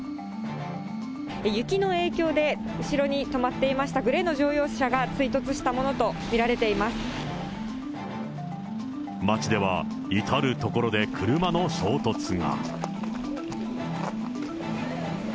雪の影響で、後ろに止まっていましたグレーの乗用車が追突したものと見られて街では、至る所で車の衝突が。